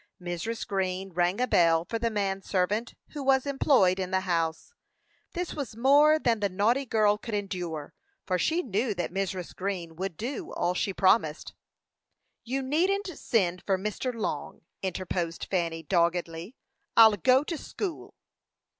Mrs. Green rang a bell for the man servant who was employed in the house. This was more than the naughty girl could endure, for she knew that Mrs. Green would do all she promised. "You needn't send for Mr. Long," interposed Fanny, doggedly. "I'll go to school."